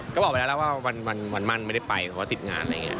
ก็บอกไปแล้วแล้วว่าวันมั่นไม่ได้ไปเพราะว่าติดงานอะไรอย่างนี้